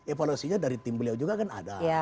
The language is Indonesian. evaluasinya dari tim beliau juga kan ada